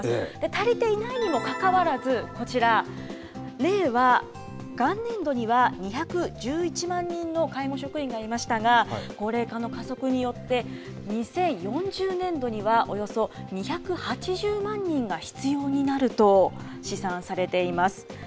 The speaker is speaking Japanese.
足りていないにもかかわらず、こちら、令和元年度には２１１万人の介護職員がいましたが、高齢化の加速によって、２０４０年度には、およそ２８０万人が必要になると試算されています。